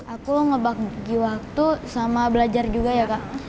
aku ngebagi waktu sama belajar juga ya kak